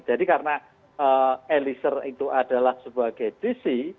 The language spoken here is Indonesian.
jadi karena eliser itu adalah sebagai jisi